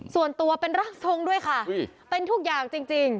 ส่วนตัวเป็นร่างทรงด้วยค่ะเป็นทุกอย่างจริง